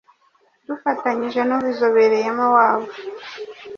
dufatanyije n’ubizobereyemo wabo